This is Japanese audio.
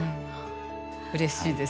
うれしいです。